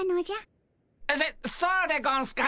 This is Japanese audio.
そそうでゴンスか。